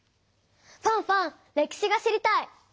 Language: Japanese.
ファンファン歴史が知りたい！